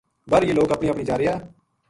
بر یہ لوک اپنی اپنی جا رہیا